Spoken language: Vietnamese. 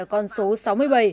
ở con số sáu mươi bảy